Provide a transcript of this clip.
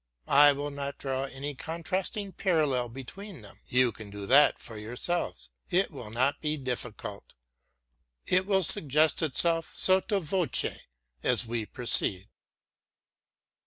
I wiU not draw any contrasting parallel between them, you can do that for yourselves — it win not be difficult ; it will suggest itself sotto voce as we proceed.